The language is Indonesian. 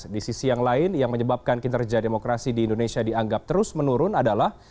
di sisi yang lain yang menyebabkan kinerja demokrasi di indonesia dianggap terus menurun adalah